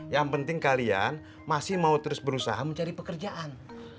yang penting kalian masih mau terus berusaha mencari pekerjaan